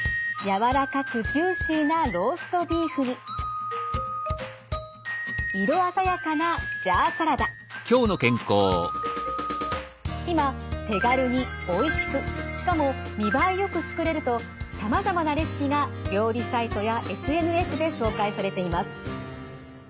柔らかくジューシーな色鮮やかな今手軽においしくしかも見栄えよく作れるとさまざまなレシピが料理サイトやＳＮＳで紹介されています。